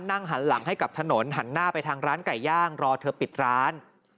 นั่งหันหลังให้กับถนนหันหน้าไปทางร้านไก่ย่างรอเธอปิดร้าน